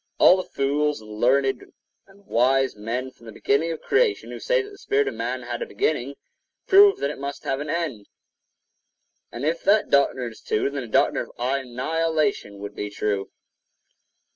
All the fools and learned and wise men from the beginning of creation, who say that the spirit of man had a beginning, prove that it must have an end; and if that doctrine is true, then the doctrine of annihilation would be true.